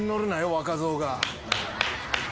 若造が。